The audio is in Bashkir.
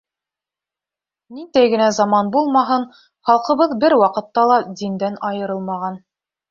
Ниндәй генә заман булмаһын, халҡыбыҙ бер ваҡытта ла диндән айырылмаған.